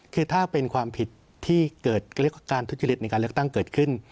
คือถ้าเป็นความผิดที่เกิดการทุจริตในการเลือกตั้งเกิดขึ้น